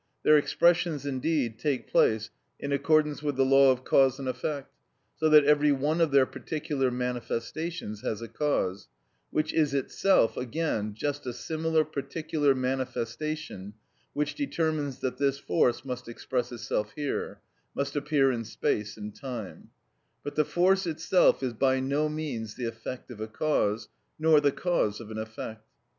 Their expressions, indeed, take place in accordance with the law of cause and effect, so that every one of their particular manifestations has a cause, which is itself again just a similar particular manifestation which determines that this force must express itself here, must appear in space and time; but the force itself is by no means the effect of a cause, nor the cause of an effect.